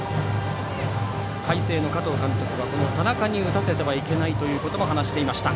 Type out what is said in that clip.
海星の加藤監督はこの田中に打たせてはいけないと話していました。